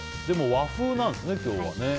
でも和風なんですね、今日は。